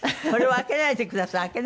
「これは開けないでください」